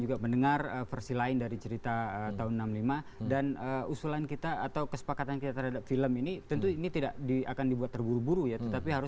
untung mengumumkan satu oktober itu